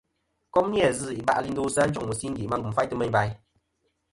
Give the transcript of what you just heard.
Kom ni-a zɨ̀ iba'lɨ i ndosɨ a njoŋ mɨsingè ma lum faytɨ meyn bayn.